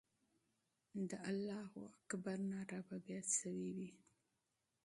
د الله اکبر ناره به بیا سوې وي.